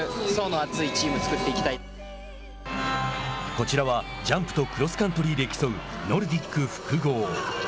こちらは、ジャンプとクロスカントリーで競うノルディック複合。